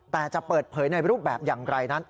แต่จะเปิดเผยหลายรูปแบบอย่างไร